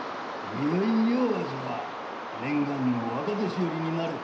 いよいよわしは念願の若年寄になれる！